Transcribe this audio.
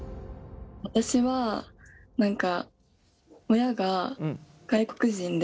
私は何か親が外国人で。